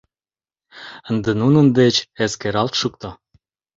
Ынде нунын деч эскералт шукто!